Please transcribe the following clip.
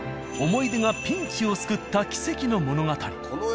思い出がピンチを救った奇跡の物語。